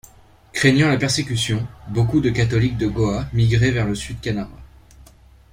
Craignant la persécution, beaucoup de catholiques de Goa migré vers le Sud Canara.